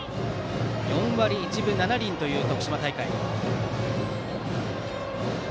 ４割１分７厘という徳島大会。